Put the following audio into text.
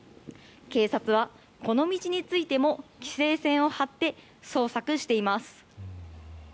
警察はこの道についても規制線を張って捜索しています。